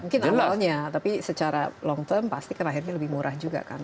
mungkin amalnya tapi secara long term pasti kelahirannya lebih murah juga kan